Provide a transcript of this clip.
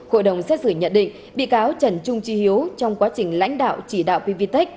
hội đồng xét xử nhận định bị cáo trần trung trí hiếu trong quá trình lãnh đạo chỉ đạo pvtec